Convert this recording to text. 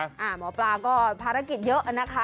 หมอปลาก็ภารกิจเยอะนะคะ